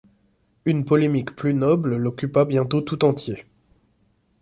Une polémique plus noble l’occupa bientôt tout entier.